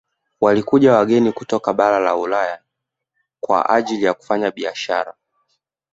Walikuja wageni kutoka bara la ulaya kwa ajili ya kufanya biasahara